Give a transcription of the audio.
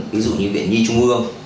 ví dụ như viện nhi trung ương